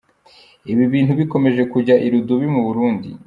Ibintu bikomeje kujya irudubi mu Burundi.